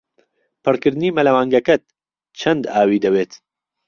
پڕکردنی مەلەوانگەکەت چەند ئاوی دەوێت؟